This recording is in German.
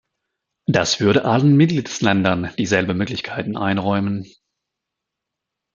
Das würde allen Mitgliedsländern dieselben Möglichkeiten einräumen.